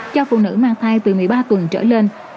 cho phụ nữ mang thai từ một mươi ba tuần trở lên